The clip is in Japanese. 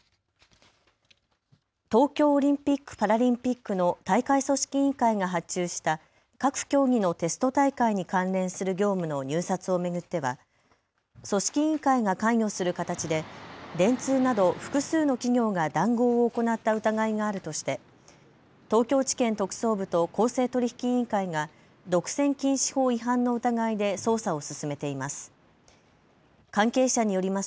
東京オリンピック・パラリンピックの大会組織委員会が発注した各競技のテスト大会に関連する業務の入札を巡っては組織委員会が関与する形で電通など複数の企業が談合を行った疑いがあるとして東京地検特捜部と公正取引委員会が独占禁止法違反の疑いで捜査を進めています。